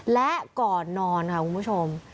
และก่อนนอนค่ะคุณผู้ชม